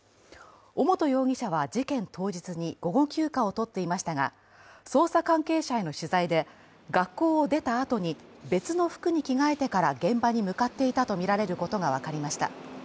尾本容疑者は事件当日に午後休暇を取っていましたが、捜査関係者への取材で、学校を出たあとに別の服に着替えてから現場に向かっていたとみられることが分かりました。